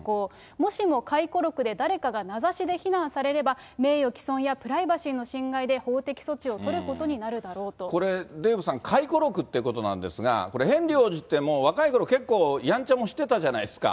もしも回顧録で誰かが名指しで非難されれば、名誉毀損やプライバシーの侵害で法的措置を取ることになるだろうこれ、デーブさん、回顧録っていうことなんですが、これ、ヘンリー王子って、もう若いころ、結構、やんちゃもしてたじゃないですか。